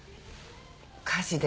火事で。